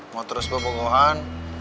mau terus berpukuhan